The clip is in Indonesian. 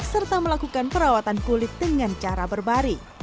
serta melakukan perawatan kulit dengan cara berbaring